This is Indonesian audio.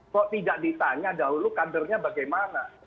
kok tidak ditanya dahulu kadernya bagaimana